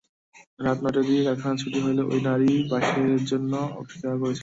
রাত নয়টার দিকে কারাখানা ছুটি হলে ওই নারী বাসের জন্য অপেক্ষা করছিলেন।